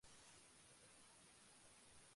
বসো আর নড়াচড়া করো না!